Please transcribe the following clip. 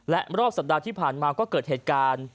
และรอบสัปดาห์ที่ผ่านมาก็เกิดเหตุการณ์